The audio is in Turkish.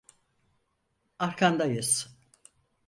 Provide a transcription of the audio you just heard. Arkandayız.